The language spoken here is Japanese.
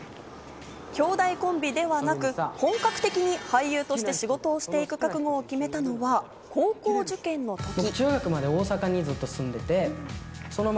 兄弟コンビではなく、本格的に俳優として仕事をしていく覚悟を決めたのは高校受験のとき。